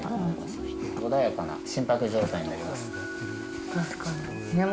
穏やかな心拍状態になります。